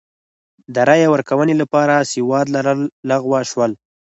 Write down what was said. د رایې ورکونې لپاره سواد لرل لغوه شول.